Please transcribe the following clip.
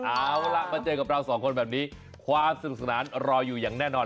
เอาล่ะมาเจอกับเราสองคนแบบนี้ความสนุกสนานรออยู่อย่างแน่นอน